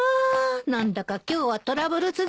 何だか今日はトラブル続きね。